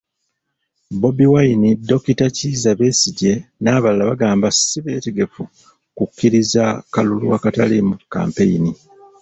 Bobi Wine, Dokita Kizza Besigye, n'abalala bagamba ssi beetegefu kukkiriza kalulu akataliimu kampeyini.